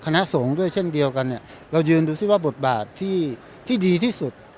คณะสงฆ์ด้วยเช่นเดียวกันเนี่ยเรายืนดูซิว่าบทบาทที่ดีที่สุด